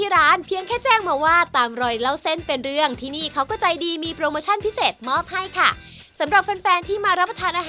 วันนี้เราขอบคุณคุณภักษิตมากนะครับผม